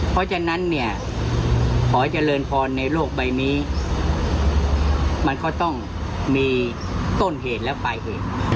เพราะฉะนั้นเนี่ยขอให้เจริญพรในโลกใบนี้มันก็ต้องมีต้นเหตุแล้วไปเอง